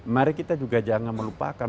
mari kita juga jangan melupakan